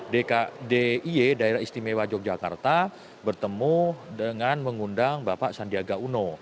dki daerah istimewa yogyakarta bertemu dengan mengundang bapak sandiaga uno